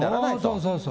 そうそう。